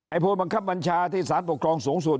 ผู้บังคับบัญชาที่สารปกครองสูงสุด